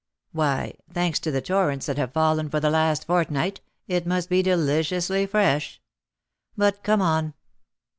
"Why, thanks to the torrents that have fallen for the last fortnight, it must be deliciously fresh. But come on."